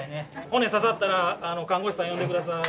骨刺さったら、看護師さん呼んでください。